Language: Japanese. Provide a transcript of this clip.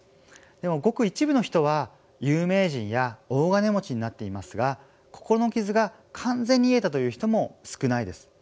でもごく一部の人は有名人や大金持ちになっていますが心の傷が完全に癒えたという人も少ないです。